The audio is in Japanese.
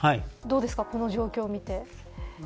どうですか、この状況を見て。